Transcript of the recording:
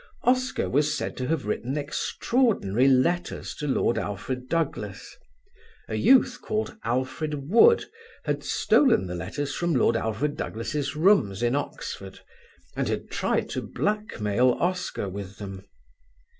Oscar was said to have written extraordinary letters to Lord Alfred Douglas: a youth called Alfred Wood had stolen the letters from Lord Alfred Douglas' rooms in Oxford and had tried to blackmail Oscar with them.